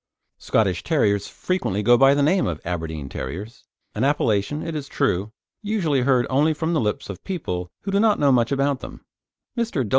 Scottish Terriers frequently go by the name of Aberdeen Terriers an appellation, it is true, usually heard only from the lips of people who do not know much about them. Mr.